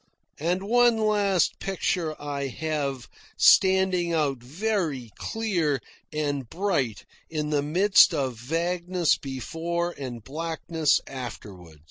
And one last picture I have, standing out very clear and bright in the midst of vagueness before and blackness afterward.